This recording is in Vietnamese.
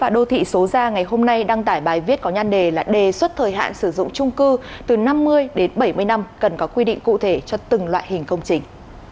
đô thị số ra ngày hôm nay đăng tải bài viết có nhan đề là đề xuất thời hạn sử dụng trung cư từ năm mươi đến bảy mươi năm cần có quy định cụ thể cho từng loại hình công trình